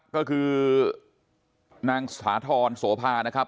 ก็คือนางสาธรโสภานะครับ